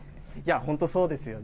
本当、そうですよね。